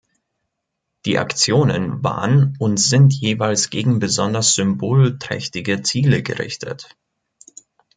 Die Aktionen waren und sind jeweils gegen besonders symbolträchtige Ziele gerichtet.